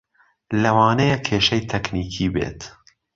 لەوانەیە کێشەی تەکنیکی بێت